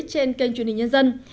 trên kênh truyền hình nhân dân